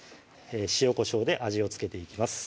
塩・こしょうで味を付けていきます